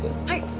はい。